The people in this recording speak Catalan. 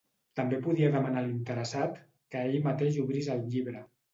També podia demanar a l'interessat que ell mateix obrís el llibre.